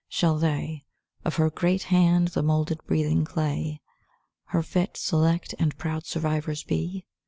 Shall they, Of Her great hand the moulded, breathing clay, Her fit, select, and proud survivors be?